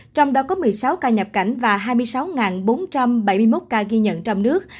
trong đó có một mươi sáu ca nhập cảnh và hai mươi sáu bốn trăm bảy mươi một ca ghi nhận trong nước